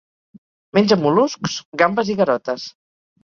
Menja mol·luscs, gambes i garotes.